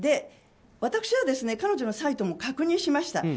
私は彼女のサイトも確認しました。